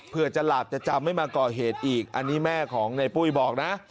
เพื่อจะหลาบจะจำไม่มาก่อเหตุอีกอันนี้แม่ของในปุ้ยบอกนะ